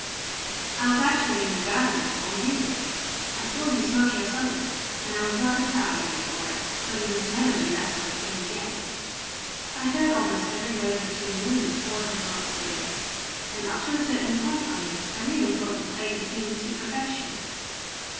I was actually in the garden before you were. I saw you smoke your Sullivan, and I was rather proud of you for it, though you must never do that sort of thing again. I heard almost every word between you and the poor devil upstairs. And up to a certain point, Bunny, I really thought you played the scene to perfection."